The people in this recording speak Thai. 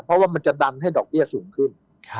เพราะว่ามันจะดันให้ดอกเบี้ยสูงขึ้น